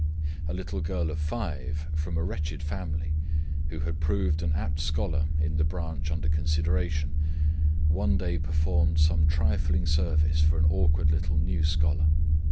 A little girl of five from a wretched family, who had proved an apt scholar in the branch under consideration, one day performed some trifling service for an awkward little new scholar.